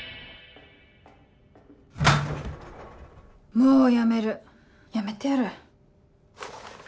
もう辞める！辞めてやる。